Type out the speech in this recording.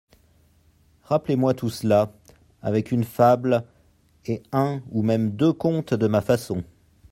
Rappelez-moi tout cela, avec une fable et un ou même deux contes de ma façon.